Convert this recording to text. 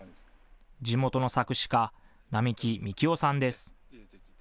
地元の作詞家、並木幹夫さんです。